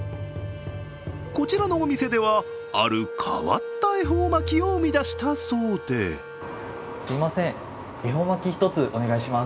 こちらのお店では、ある変わった恵方巻きを生み出したそうですいません、恵方巻き１つお願いします。